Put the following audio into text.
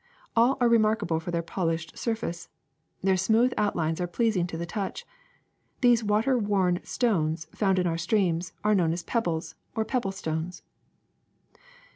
All are re markable for their polished surface. Their smooth outlines are pleasing to the touch. These water worn stones found in our streams are known as peb bles or pebble stones.